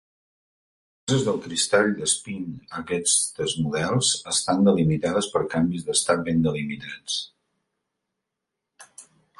Les fases del cristall d'espín a aquestes models estan delimitades per canvis d'estat ben delimitats.